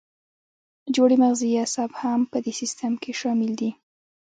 جوړې مغزي اعصاب هم په دې سیستم کې شامل دي.